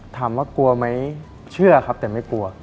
ถามว่ากลัวไหมเชื่อครับแต่ไม่กลัว